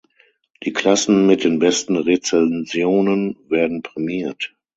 Die Klassen mit den besten Rezensionen werden prämiert.